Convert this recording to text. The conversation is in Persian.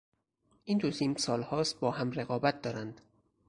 این دو تیم سالهاست با هم رقابت دارند.